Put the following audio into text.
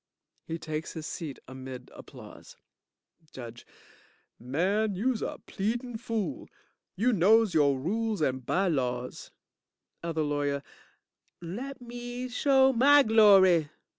(He takes his seat amid applause) JUDGE Man, youse a pleadin' fool. You knows yo' rules and by laws. OTHER LAWYER Let me show my glory.